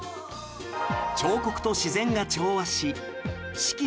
彫刻と自然が調和し四季